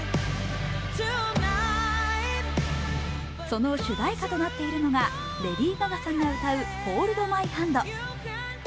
その主題歌となっているのがレディー・ガガさんが歌う「ホールド・マイ・ハンド」。